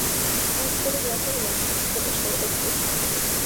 — Ажгыненат улмаш, — пелешта Ведаси.